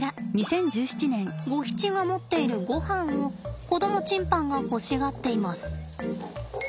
ゴヒチが持っているごはんを子供チンパンが欲しがっています。